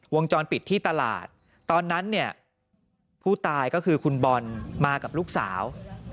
วงจรปิดที่ตลาดตอนนั้นเนี่ยผู้ตายก็คือคุณบอลมากับลูกสาว